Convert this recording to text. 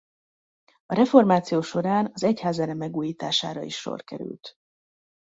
A reformáció során az egyházzene megújítására is sor került.